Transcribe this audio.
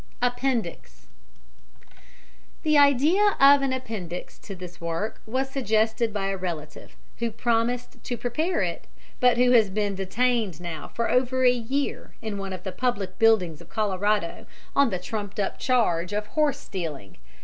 APPENDIX. The idea of an appendix to this work was suggested by a relative, who promised to prepare it, but who has been detained now for over a year in one of the public buildings of Colorado on the trumped up charge of horse stealing.